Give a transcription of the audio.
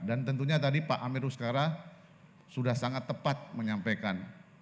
dan tentunya tadi pak amir raskara sudah sangat tepat menyampaikan